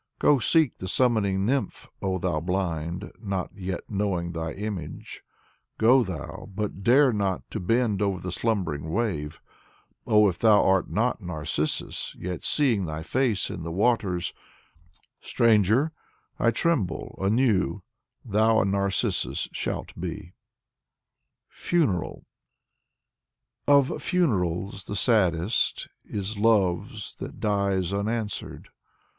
Go, seek the summoning nymph, oh thou blind, not yet knowing thy image. Go thou, but dare not to bend over the slumbering wave. Oh, if thou art not Narcissus, yet seeing thy face in the waters, — Stranger, I tremble, — ^anew, thou a Narcissus shalt be. Vyacheslav Ivanov 105 FUNERAL Of funerals, the saddest Is love*s that dies unanswered.